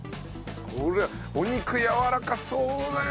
これお肉やわらかそうだよ！